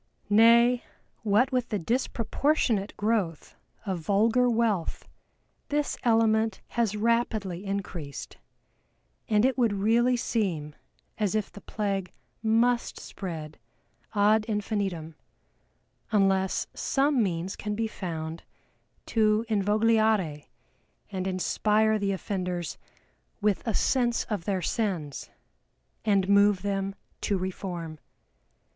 Nay, what with the disproportionate growth of vulgar wealth, this element has rapidly increased, and it would really seem as if the plague must spread ad infinitum, unless some means can be found to invogliare and inspire the offenders with a sense of their sins, and move them to reform.